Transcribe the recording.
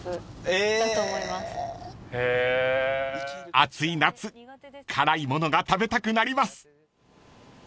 ［暑い夏辛いものが食べたくなります］